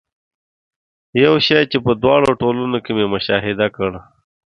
یو شی چې په دواړو ټولنو کې مې مشاهده کړ.